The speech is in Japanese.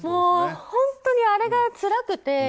本当に、あれがつらくて。